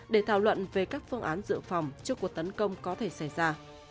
để thảo luận về các phương án dự phòng trước cuộc tấn công có thể xảy ra